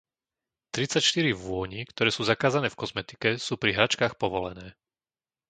Tridsať štyri vôní, ktoré sú zakázané v kozmetike, sú pri hračkách povolené.